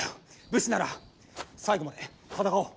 武士なら最後まで戦おう。